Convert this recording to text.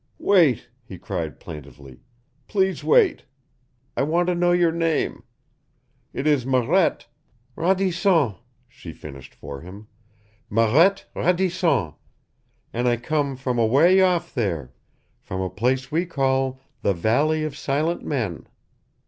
"Wait," he cried plaintively. "Please wait. I want to know your name. It is Marette " "Radisson," she finished for him. "Marette Radisson, and I come from away off there, from a place we call the Valley of Silent Men."